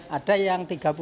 ada yang tiga puluh